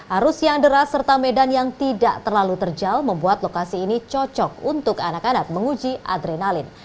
arus yang deras serta medan yang tidak terlalu terjal membuat lokasi ini cocok untuk anak anak menguji adrenalin